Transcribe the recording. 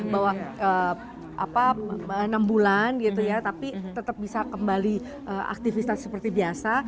bahwa enam bulan gitu ya tapi tetap bisa kembali aktivitas seperti biasa